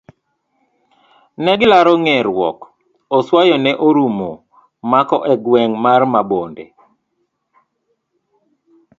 Negilaro nge'ruok. oswayo ne orumo mako e gweng' mar Mabonde.